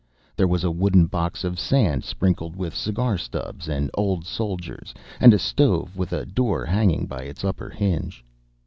There was a wooden box of sand, sprinkled with cigar stubs and "old soldiers," and a stove with a door hanging by its upper hinge.